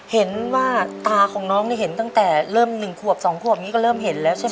เห็นว่าตาของน้องนี่เห็นตั้งแต่เริ่ม๑ขวบ๒ขวบนี้ก็เริ่มเห็นแล้วใช่ไหม